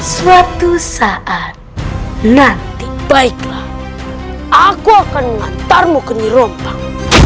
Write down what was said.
suatu saat nanti baiklah aku akan mengantarmu ke niropa